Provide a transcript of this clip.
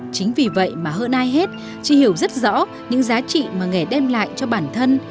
chính vì vậy mà hơn ai hết chị hiểu rất rõ những giá trị mà nghề đem lại cho bản thân